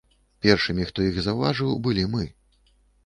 Першымі, хто іх заўважыў, былі мы.